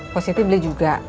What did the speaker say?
positi beli juga